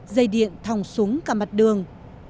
dây điện thòng xuống cả mặt đường